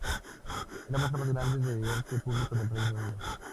Es la muestra más grande de arte público del Reino Unido.